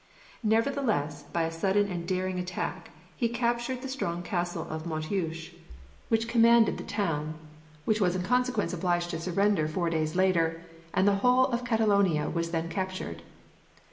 Nevertheless, by a sudden and daring attack he captured the strong castle of Montjuich, which commanded the town, which was in consequence obliged to surrender four days later, and the whole of Catalonia was then captured.